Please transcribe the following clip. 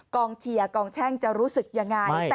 กองเชียร์กองแช่งจะรู้สึกยังไง